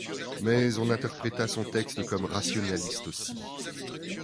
Mais, on interpréta son texte comme rationaliste aussi.